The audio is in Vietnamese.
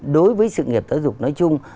đối với sự nghiệp giáo dục nói chung